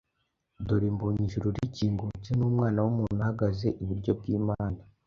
Dore mbonye ijuru rikingutse, n’Umwana w’umuntu ahagaze iburyo bw’Imana